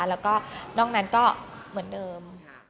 แล้วก็นอกนั้นก็เหมือนเดิม